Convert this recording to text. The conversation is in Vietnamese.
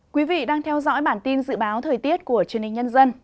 quý vị đang theo dõi bản tin dự báo thời tiết của truyền hình nhân dân